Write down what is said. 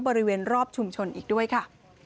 บริเวณรอบชุมชนอีกด้วยค่ะ